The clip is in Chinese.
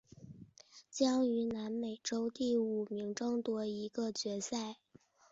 将与南美洲第五名争夺一个决赛周出线席位。